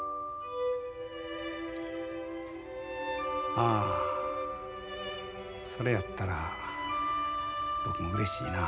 ああそれやったら僕もうれしいな。